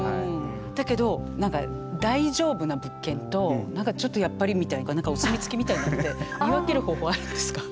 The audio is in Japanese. だけど何か大丈夫な物件と何かちょっとやっぱりみたいな何かお墨付きみたいなのって見分ける方法はあるんですか？